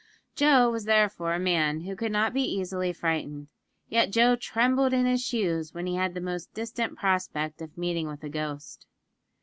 Joe was therefore a man who could not be easily frightened; yet Joe trembled in his shoes when he had the most distant prospect of meeting with a ghost!